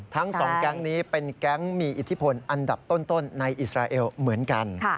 ทั้งสองแก๊งนี้เป็นแก๊งมีอิทธิพลอันดับต้นในอิสราเอลเหมือนกัน